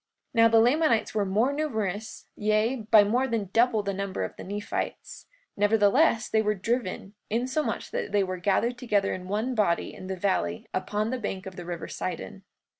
43:51 Now, the Lamanites were more numerous, yea, by more than double the number of the Nephites; nevertheless, they were driven insomuch that they were gathered together in one body in the valley, upon the bank by the river Sidon.